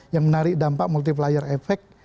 yang menarik dampak multiplier effect